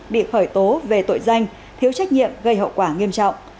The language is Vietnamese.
bị khởi tố về tội danh thiếu trách nhiệm gây hậu quả nghiêm trọng